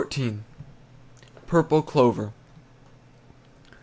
PURPLE CLOVER.